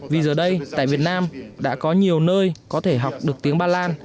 vì giờ đây tại việt nam đã có nhiều nơi có thể học được tiếng ba lan